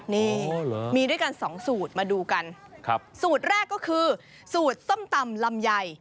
นี่มีด้วยกันสองสูตรมาดูกันครับสูตรแรกก็คือสูตรส้มตำลำไย